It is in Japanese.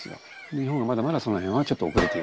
日本はまだまだその辺はちょっと遅れていると。